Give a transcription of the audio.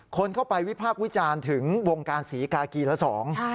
คนเข้าไปวิพากษ์วิจารณ์ถึงวงการศรีกากีละสอง